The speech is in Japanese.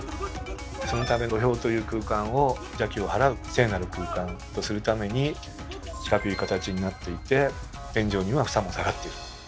そのため土俵という空間を邪気を払う聖なる空間とするために四角い形になっていて天井には房も下がっている。